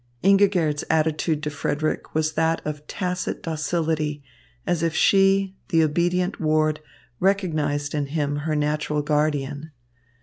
Ingigerd's attitude to Frederick was that of tacit docility, as if she, the obedient ward, recognised in him her natural guardian.